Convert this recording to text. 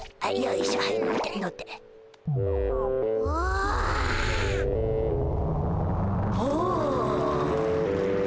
おお。